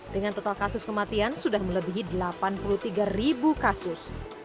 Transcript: dengan total kasus kematian sudah melebihi delapan puluh tiga ribu kasus